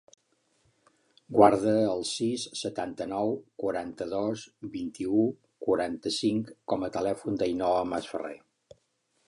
Guarda el sis, setanta-nou, quaranta-dos, vint-i-u, quaranta-cinc com a telèfon de l'Ainhoa Masferrer.